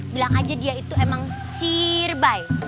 bilang aja dia itu emang serbay